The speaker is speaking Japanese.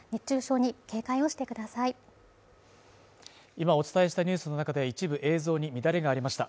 今お伝えしたニュースのなかで一部映像に乱れがありました。